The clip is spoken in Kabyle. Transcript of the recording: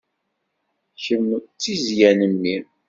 Kemm d tizzya n mmi.